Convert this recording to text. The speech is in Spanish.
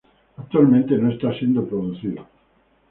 Actualmente no está siendo producido.